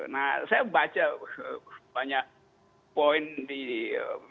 nah saya baca banyak poin di media